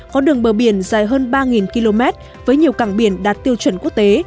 có đường bờ biển dài hơn ba km với nhiều cảng biển đạt tiêu chuẩn quốc tế